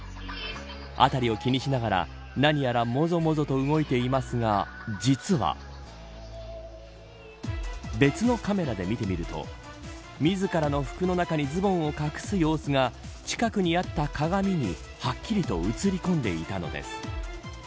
辺りを気にしながら何やらもぞもぞと動いていますが実は別のカメラで見てみると自らの服の中にズボンを隠す様子が近くにあった鏡に、はっきりと映り込んでいたのです。